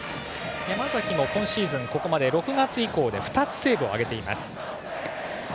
山崎も今シーズン、ここまで６月以降で２つセーブを挙げています。